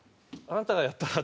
「あなたがやったら？」